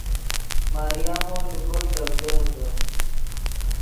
مریمو لے کوئے گپ دیہے تے